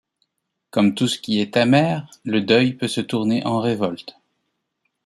Comme tout ce qui est amer, le deuil peut se tourner en révolte.